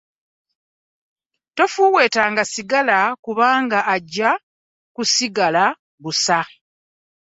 Tofuweetanga ssigala kubanga aja kusigala busa.